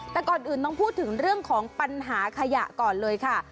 แต่ก่อนอื่นต้องพูดถึงเรื่องของปัญหาขยะก่อนเลยค่ะ